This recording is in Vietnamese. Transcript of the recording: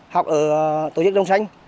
học ở tổ chức đông xanh